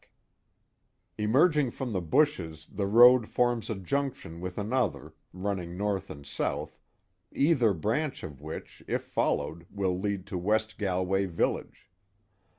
31 322 The Mohawk Valley Emerging from Ihe bushes, the road forms a junction wHI another, running north and south, either branch of which, if followed, will lead to West Gahvay village.